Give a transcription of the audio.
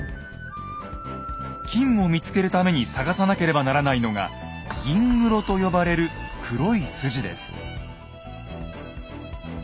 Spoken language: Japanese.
金を見つけるために探さなければならないのが「銀黒」と呼ばれる黒い筋です。